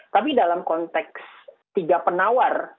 tapi dalam konteks tiga penawar